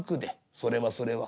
それはそれは。